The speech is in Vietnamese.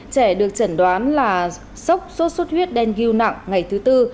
trẻ được chẩn đoán là sốc sốt xuất huyết đen ghiu nặng ngày thứ tư